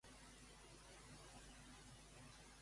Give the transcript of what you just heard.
Què vol dir Brú na Bóinne?